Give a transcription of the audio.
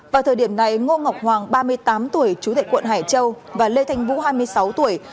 vào thời điểm này ngô ngọc hoàng ba mươi tám tuổi chú tại quận hải châu và lê thanh vũ hai mươi sáu tuổi